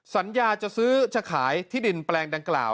สัญญาจะซื้อจะขายที่ดินแปลงดังกล่าว